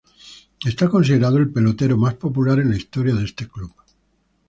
Es considerado el pelotero más popular en la historia de este club.